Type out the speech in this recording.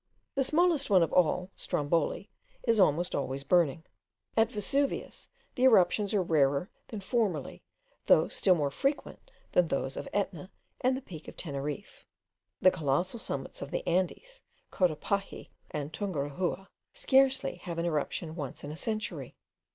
The smallest one of all, Stromboli, is almost always burning. At Vesuvius, the eruptions are rarer than formerly, though still more frequent than those of Etna and the Peak of Teneriffe. The colossal summits of the Andes, Cotopaxi and Tungurahua, scarcely have an eruption once in a century.